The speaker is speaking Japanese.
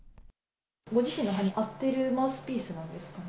ご自身の歯に合っているマウスピースなんですかね。